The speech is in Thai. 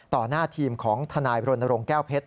ต่อหน้าทีมของทนายบริโรนโรงแก้วเพชร